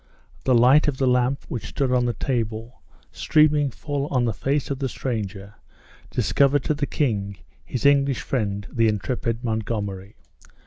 The light of the lamp which stood on the table, streaming full on the face of the stranger, discovered to the king his English friend, the intrepid Montgomery.